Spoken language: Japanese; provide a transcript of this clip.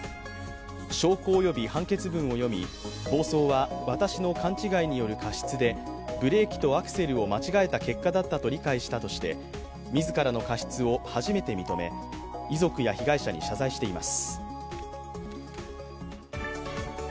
証拠及び判決文を読み、暴走は私の勘違いによる過失でブレーキとアクセルを間違えた結果だと理解して自らの過失を初めて認め遺族や被害者に謝罪しています。